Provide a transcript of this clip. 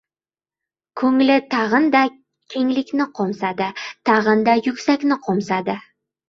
Ko‘ngli tag‘inda kenglikni qo‘msadi, tag‘inda yuksakni qo‘msadi.